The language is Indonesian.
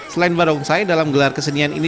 selain barongsai dalam gelar kesenian ini